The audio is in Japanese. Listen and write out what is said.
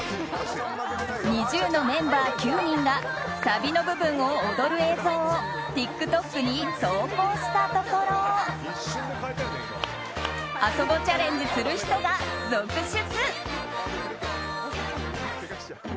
ＮｉｚｉＵのメンバー９人がサビの部分を踊る映像をＴｉｋＴｏｋに投稿したところ「ＡＳＯＢＯ」チャレンジする人が続出。